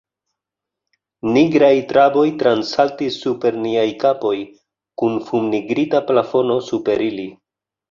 Nigraj traboj transsaltis super niaj kapoj, kun fumnigrigita plafono super ili...